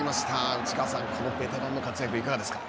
内川さん、このベテランの活躍、いかがですか。